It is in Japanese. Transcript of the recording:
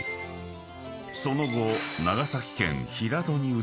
［その後］